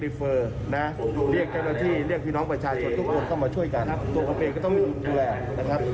ตัวประเภทก็ต้องมีรุนชุดแรก